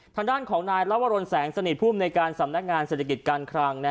ทางด้านของนายลวรนแสงสนิทผู้อำนวยการสำนักงานเศรษฐกิจการคลัง